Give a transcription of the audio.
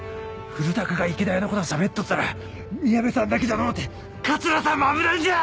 古高が池田屋のこと喋っとったら宮部さんだけじゃのうて桂さんも危ないんじゃ！